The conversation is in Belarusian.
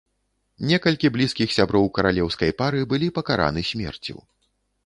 Некалькі блізкіх сяброў каралеўскай пары былі пакараны смерцю.